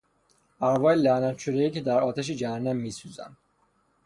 ارواح لعنت شدهای که در آتش جهنم میسوزند